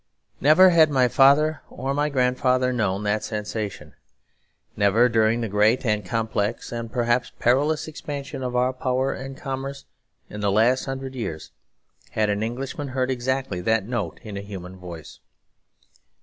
Never had my father or my grandfather known that sensation; never during the great and complex and perhaps perilous expansion of our power and commerce in the last hundred years had an Englishman heard exactly that note in a human voice.